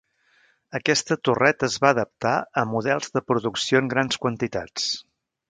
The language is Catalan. Aquesta torreta es va adaptar a models de producció en grans quantitats.